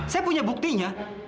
saya punya buktinya